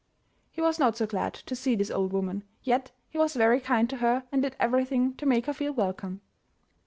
He was not so glad to see this old woman, yet he was very kind to her and did everything to make her feel welcome.